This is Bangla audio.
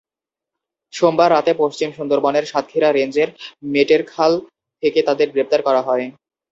সোমবার রাতে পশ্চিম সুন্দরবনের সাতক্ষীরা রেঞ্জের মেটেরখাল থেকে তাঁদের গ্রেপ্তার করা হয়।